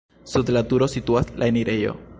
Sub la turo situas la enirejo.